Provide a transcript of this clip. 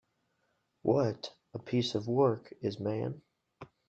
[What] a piece of work [is man]